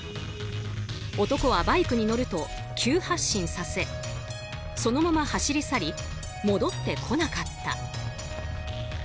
男はバイクに乗ると、急発進させそのまま走り去り戻ってこなかった。